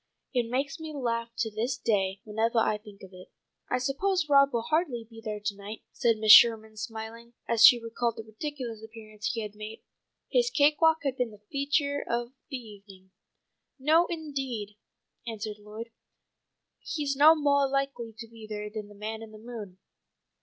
It makes me laugh to this day, whenevah I think of it." "I suppose Rob will hardly be there to night," said Mrs. Sherman, smiling as she recalled the ridiculous appearance he had made. His cake walk had been the feature of the evening. "No, indeed," answered Lloyd. "He's no moah likely to be there than the man in the moon.